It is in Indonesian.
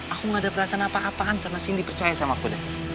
aku gak ada perasaan apa apaan sama cindy percaya sama aku